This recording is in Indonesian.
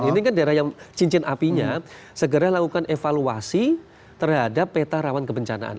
ini kan daerah yang cincin apinya segera lakukan evaluasi terhadap peta rawan kebencanaan